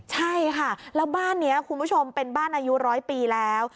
ใช่ค่ะแล้วบ้านนี้คุณผู้ชมเป็นบ้านอายุร้อยปีแล้ว